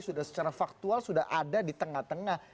sudah secara faktual sudah ada di tengah tengah